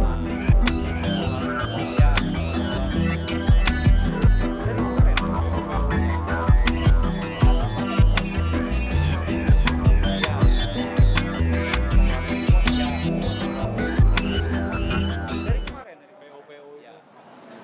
sekarang ini sudah berapa jutaan